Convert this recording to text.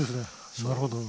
なるほど。